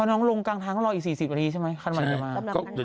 พอน้องลงกลางทางก็รออีก๔๐วันดีใช่ไหมขั้นวันเดียวมา